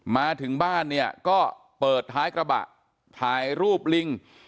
มาถึงบ้านเนี่ยก็เปิดท้ายกระบะถ่ายรูปลิง